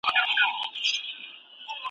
هم یې ماڼۍ وې تر نورو جګي .